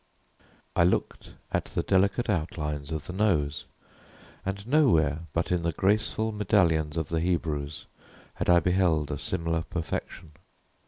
I looked at the delicate outlines of the nose and nowhere but in the graceful medallions of the Hebrews had I beheld a similar perfection.